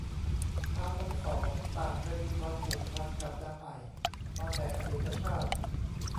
ท้าวทั้งสองต่างเคยมีความผูกพันกับนางไอ่มาแต่อดีตชาติ